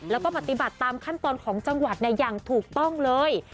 แล้วก็ปฏิบัติตามขั้นตอนของจังหวัดอย่างถูกต้องเลย